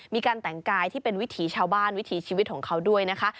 มีการแต่งกายที่เป็นวิถีชาวบ้านวิถีชีวิตของเขาด้วยนะคะ